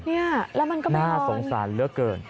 นี่แล้วมันก็ไปนอนน่าสงสารเลือดเกิน